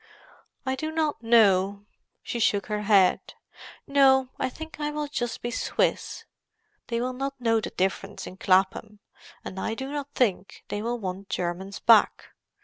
"I do not know." She shook her head. "No, I think I will just be Swiss. They will not know the difference in Clapham. And I do not think they will want Germans back.